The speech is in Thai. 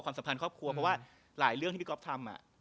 สัมพันธ์ครอบครัวเพราะว่าหลายเรื่องที่พี่ก๊อฟทำ